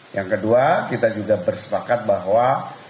yang kedua kita juga bersepakat bahwa